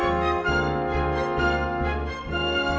ikannya cantik sekali